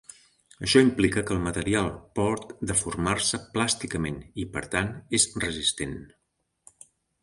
Això implica que el material por deformar-se plàsticament i, per tant, és resistent.